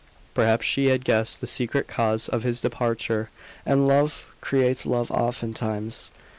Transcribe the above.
Perhaps she had guessed the secret cause of his departure, and love creates love often times.